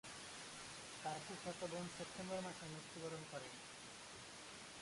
তার ফুফাতো বোন সেপ্টেম্বর মাসে মৃত্যুবরণ করে।